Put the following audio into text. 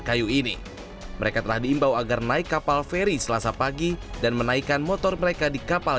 kayu ini mereka telah diimbau agar naik kapal feri selasa pagi dan menaikkan motor mereka di kapal